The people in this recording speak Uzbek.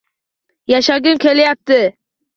Yashagim kelyapti